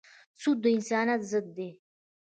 سود د انسانیت ضد دی.